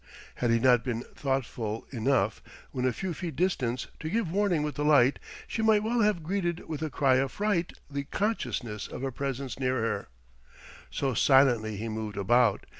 Had he not been thoughtful enough, when a few feet distant, to give warning with the light, she might well have greeted with a cry of fright the consciousness of a presence near her: so silently he moved about.